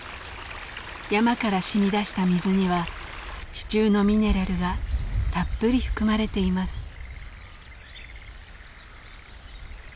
山からしみ出した水には地中のミネラルがたっぷり含まれています。